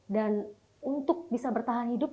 dan untuk bisa bertahan hidup